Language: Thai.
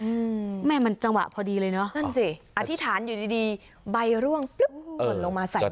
อืมแม่มันจังหวะพอดีเลยเนอะนั่นสิอธิษฐานอยู่ดีดีใบร่วงปุ๊บหล่นลงมาใส่